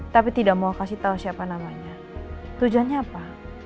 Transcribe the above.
tapi tidak mau kasih tahu siapa namanya tujuannya apa